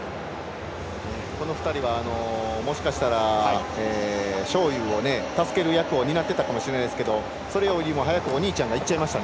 この２人はもしかしたら章勇を助ける役を担ってたかもしれないですけどそれよりも早くお兄ちゃんがいっちゃいました。